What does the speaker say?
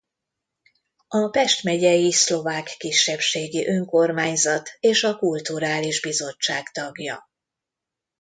A Pest Megyei Szlovák Kisebbségi Önkormányzat és a Kulturális Bizottság tagja.